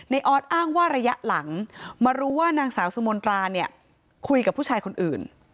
ออสอ้างว่าระยะหลังมารู้ว่านางสาวสุมนตราเนี่ยคุยกับผู้ชายคนอื่น